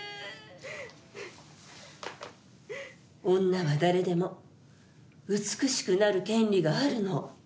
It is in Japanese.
女は誰でも美しくなる権利があるの。